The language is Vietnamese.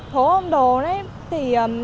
phố âm đồ đấy thì